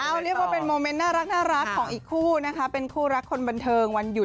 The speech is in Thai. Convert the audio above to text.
เอาเรียกว่าเป็นโมเมนต์น่ารักของอีกคู่นะคะ